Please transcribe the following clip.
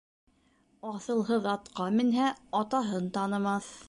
Аҫылһыҙ атҡа менһә, атаһын танымаҫ.